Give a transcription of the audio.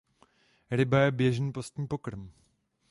Ryba je běžný postní pokrm.